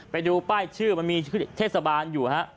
ไปดูป้ายชื่อมันมีเทศบาลอยู่ฮะ